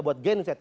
buat gen set